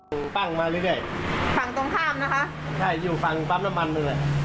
ก็มาใส่กันอยู่นี่โอ้โหคุณตะตะลดเลย